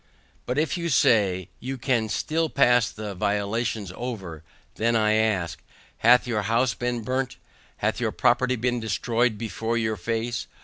But if you say, you can still pass the violations over, then I ask, Hath your house been burnt? Hath your property been destroyed before your face?